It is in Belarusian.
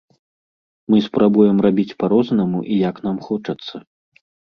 Мы спрабуем рабіць па-рознаму і як нам хочацца.